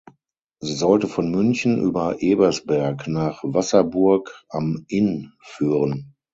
Sie sollte von München über Ebersberg nach Wasserburg am Inn führen.